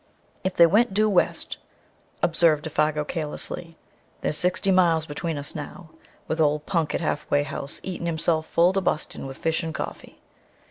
"If they went doo west," observed Défago carelessly, "there's sixty miles between us now with ole Punk at halfway house eatin' himself full to bustin' with fish and coffee."